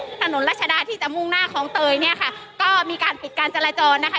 ถนนรัชดาที่จะมุ่งหน้าคลองเตยเนี่ยค่ะก็มีการปิดการจราจรนะคะ